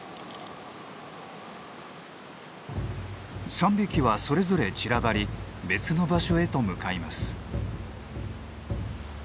３匹はそれぞれ散らばり別の場所へと向かいます。